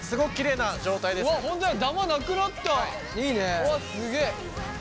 うわっすげえ。